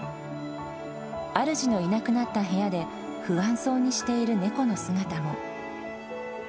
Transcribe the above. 主のいなくなった部屋で不安そうにしている猫の姿も。